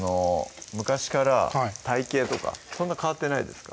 昔から体形とかそんな変わってないですか？